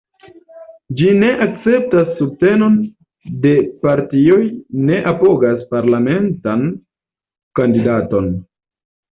Ĝi ne akceptas subtenon de partioj, ne apogas parlamentan kandidaton.